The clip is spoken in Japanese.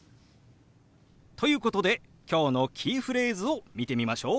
ということで今日のキーフレーズを見てみましょう。